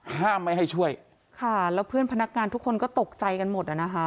ห้ามไม่ให้ช่วยค่ะแล้วเพื่อนพนักงานทุกคนก็ตกใจกันหมดอ่ะนะคะ